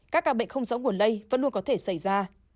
các ca bệnh không rõ nguồn lây vẫn luôn có thể xảy ra